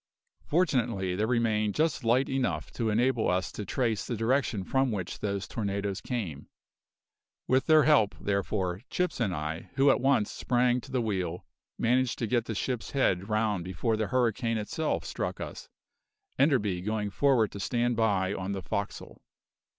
Fortunately, there remained just light enough to enable us to trace the direction from which those tornadoes came. With their help, therefore, Chips and I, who at once sprang to the wheel, managed to get the ship's head round before the hurricane itself struck us, Enderby going for'ard to stand by on the forecastle.